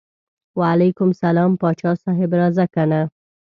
وعلیکم السلام پاچا صاحب راځه کنه.